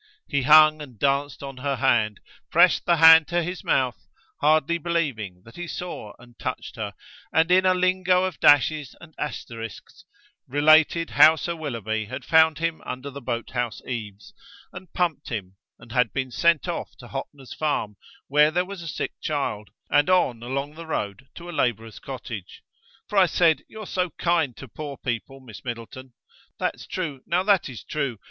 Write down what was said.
He hung and danced on her hand, pressed the hand to his mouth, hardly believing that he saw and touched her, and in a lingo of dashes and asterisks related how Sir Willoughby had found him under the boathouse eaves and pumped him, and had been sent off to Hoppner's farm, where there was a sick child, and on along the road to a labourer's cottage: "For I said you're so kind to poor people, Miss Middleton; that's true, now that is true.